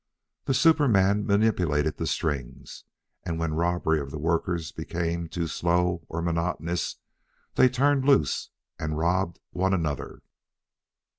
The superman manipulated the strings, and when robbery of the workers became too slow or monotonous, they turned loose and robbed one another.